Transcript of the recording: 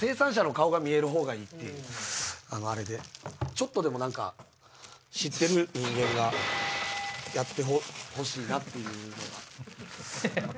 ちょっとでも何か知ってる人間がやってほしいなっていう。